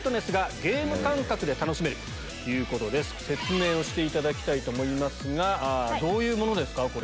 説明していただきたいと思いますどういうものですか？